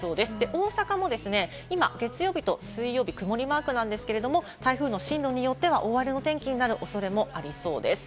大阪も今、月曜日と水曜日、曇りマークですけれども、台風の進路によっては大荒れの天気になる恐れもありそうです。